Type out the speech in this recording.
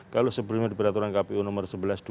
kalau sebelumnya di peraturan kpu nomor sebelas dua ribu dua